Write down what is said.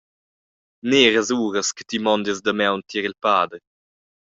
Neras uras che ti mondies damaun tier il pader.